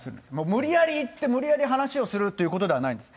無理やり行って無理やり話をするということではないんです。